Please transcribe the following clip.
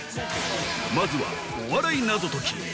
まずはお笑い謎解き